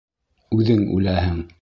Үҙең үләһең.